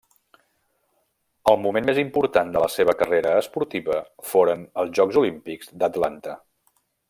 El moment més important de la seva carrera esportiva foren els Jocs Olímpics d'Atlanta.